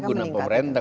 itu gunanya pemerintah